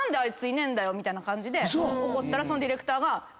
みたいな感じで怒ったらそのディレクターが。え！